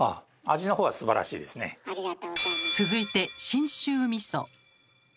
続いて信州みそ。